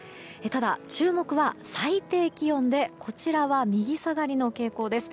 ただ、注目は最低気温でこちらは右下がりの傾向です。